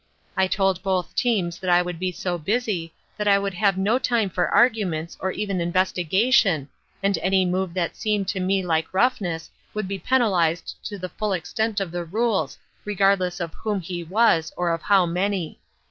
I told both teams that I would be so busy that I would have no time for arguments or even investigation and any move that seemed to me like roughness would be penalized to the full extent of the rules regardless of whom he was or of how many.